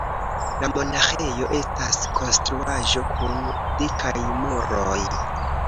La monaĥejo estas konstruaĵo kun dikaj muroj.